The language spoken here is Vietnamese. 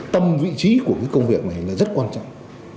tâm vị trí của cái công việc này là rất quan trọng